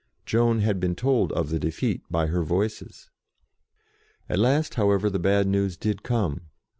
Joan had been told of the defeat by her Voices. At last, however, the bad news did come.